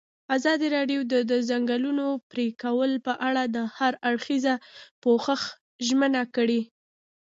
ازادي راډیو د د ځنګلونو پرېکول په اړه د هر اړخیز پوښښ ژمنه کړې.